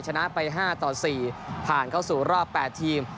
ชนะไป๕ต่อ๔ผ่านเข้าสู่รอบ๘ทีม